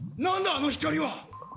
あの光は！